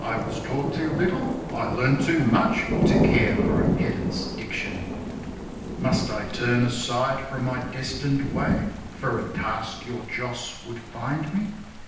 1 1 was taught too little ?' I learnt too much To care for a pedant's diction ! Must I turn aside from my destined way For a task your Joss would find me